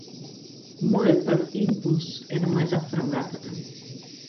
Мојот прв имплус е да му ја затворам вратата.